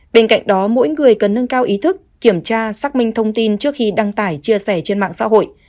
bên cạnh đó mỗi người cần nâng cao ý thức kiểm tra xác minh thông tin trước khi đăng tải chia sẻ trên mạng xã hội